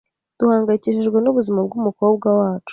Duhangayikishijwe n'ubuzima bw'umukobwa wacu .